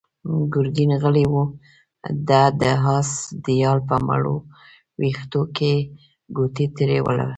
ګرګين غلی و، ده د آس د يال په مړو وېښتو کې ګوتې تېرولې.